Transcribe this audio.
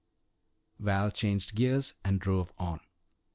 Val changed gears and drove on.